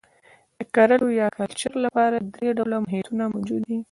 د کرلو یا کلچر لپاره درې ډوله محیطونه موجود دي.